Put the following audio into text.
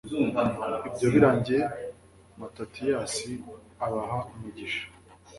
ibyo birangiye matatiyasi abaha umugisha